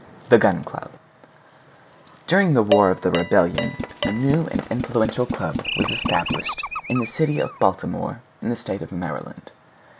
THE GUN CLUB During the War of the Rebellion, a new and influential club was established in the city of Baltimore in the State of Maryland.